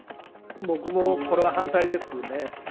僕もこれは反対です。